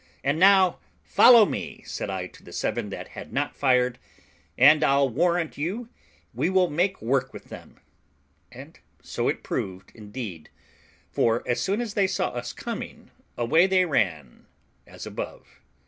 "And now follow me," said I to the seven that had not fired, "and I'll warrant you we will make work with them," and so it proved indeed; for, as soon as they saw us coming, away they ran, as above.